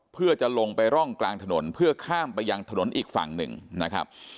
เพื่อจะลงไปร่องกลางถนนเพื่อข้ามไปยังถนนอีกฝั่งหนึ่งนะครับ